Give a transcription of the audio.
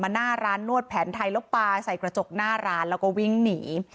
หน้าร้านนวดแผนไทยแล้วปลาใส่กระจกหน้าร้านแล้วก็วิ่งหนี